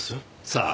さあ。